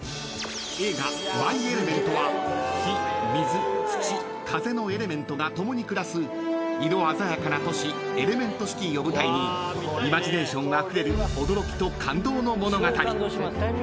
［映画『マイ・エレメント』は火水土風のエレメントが共に暮らす色鮮やかな都市エレメント・シティを舞台にイマジネーションあふれる驚きと感動の物語］